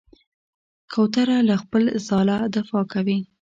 کوتره له خپل ځاله دفاع کوي.